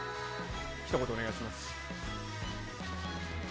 ひと言お願いします。